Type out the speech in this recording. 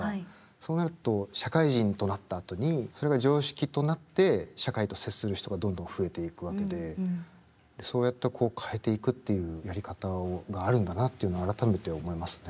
そうなると社会人となったあとにそれが常識となって社会と接する人がどんどん増えていくわけでそうやってこう変えていくっていうやり方があるんだなっていうのは改めて思いますね。